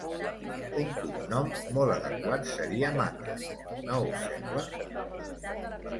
Un cognom molt adequat seria Mata, no us sembla?